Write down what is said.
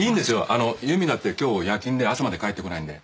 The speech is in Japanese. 由美だって今日夜勤で朝まで帰ってこないんで。